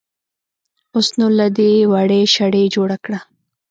اوس نو له دې وړۍ شړۍ جوړه کړه.